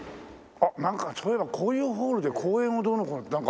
あっなんかそういえばこういうホールで公演をどうのこうのってなんか。